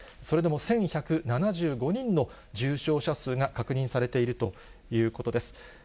それでも１１７５人の重症者数が確認されているということです。